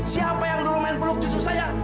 siapa yang dulu main peluk cucu saya